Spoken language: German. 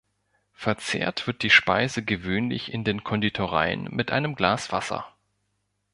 Verzehrt wird die Speise gewöhnlich in den Konditoreien mit einem Glas Wasser.